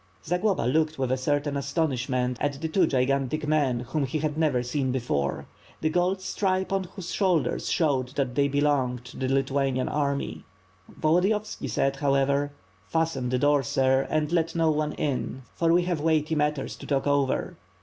Zagloba looked with a certain aatonishment at the two gigantic men whom he had never seen before; the gold stripe on whose shoulders showed that they belonged to the Lithu anian army. Voldiyovski said, however, ^Tasten the door, sir, and let no one in, for we have weighty matters to talk over."